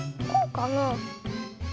こうかな。